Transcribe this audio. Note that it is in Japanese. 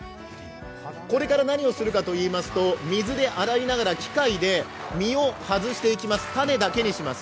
これから何をするかといいますと水で洗いながら機械で種だけにします。